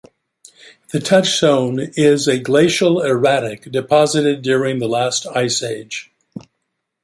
The touch stone is a glacial erratic deposited during the last ice age.